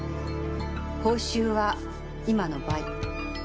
報酬は今の倍。